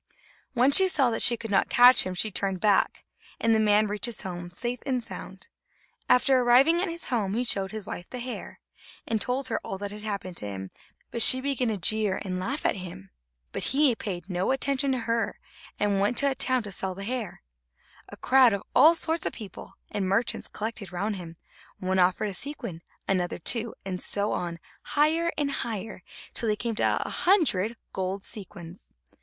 When she saw that she could not catch him, she turned back, and the man reached his home safe and sound. After arriving at his home, he showed his wife the hair, and told her all that had happened to him, but she began to jeer and laugh at him. But he paid no attention to her, and went to a town to sell the hair. A crowd of all sorts of people and merchants collected round him; one offered a sequin, another two, and so on, higher and higher, till they came to a hundred gold sequins.